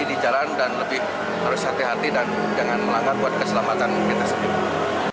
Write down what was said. di jalan dan lebih harus hati hati dan jangan melanggar buat keselamatan kita sendiri